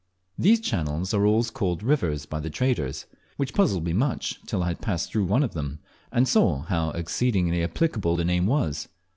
These channels are always called rivers by the traders, which puzzled me much till I passed through one of them, and saw how exceedingly applicable the name was.